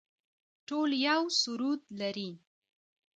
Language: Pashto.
ټول یو سرود لري